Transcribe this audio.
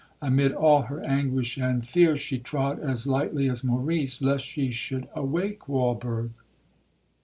Amid all her anguish and fear, she trod as lightly as Maurice, lest she should awake Walberg.